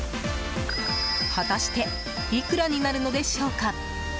果たしていくらになるのでしょうか。